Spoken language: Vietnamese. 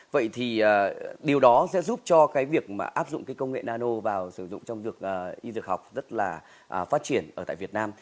vậy thì điều đó sẽ giúp cho cái việc mà áp dụng cái công nghệ nano vào sử dụng trong dược y dược học rất là phát triển ở tại việt nam